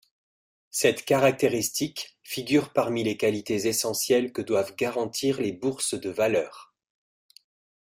Cette caractéristique figure parmi les qualités essentielles que doivent garantir les bourses de valeurs.